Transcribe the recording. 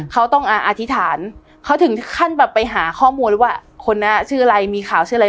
เขาต้องอธิษฐานเขาถึงขั้นแบบไปหาข้อมูลเลยว่าคนนี้ชื่ออะไรมีข่าวชื่ออะไร